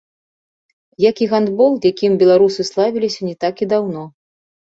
Як і гандбол, якім беларусы славіліся не так і даўно.